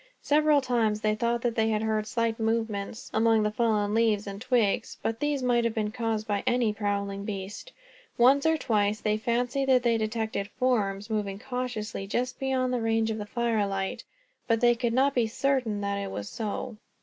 Several times they thought that they heard slight movements, among the fallen leaves and twigs; but these might have been caused by any prowling beast. Once or twice they fancied that they detected forms, moving cautiously just beyond the range of the firelight; but they could not be certain that it was so.